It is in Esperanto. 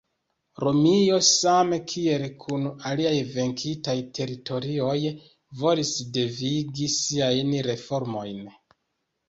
Romio, same kiel kun aliaj venkitaj teritorioj, volis devigi siajn reformojn.